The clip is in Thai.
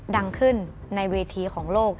ดังขึ้นในเวทีของโลก